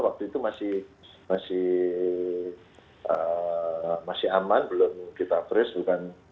waktu itu masih aman belum kita fresh bukan